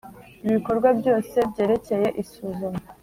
Ibikorwa byose byerekeye isuzuma